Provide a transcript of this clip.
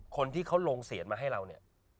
คนที่เขาลงเสียงมาให้เราเนี่ย